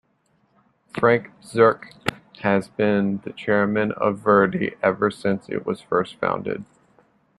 Frank Bsirske has been the Chairman of Verdi ever since it was first founded.